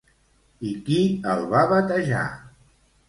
I qui el va batejar?